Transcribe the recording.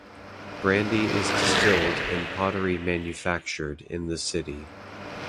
Brandy is distilled and pottery manufactured in the city.